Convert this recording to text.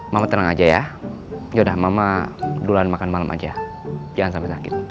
mama tenang aja ya yaudah mama duluan makan malam aja jangan sampai sakit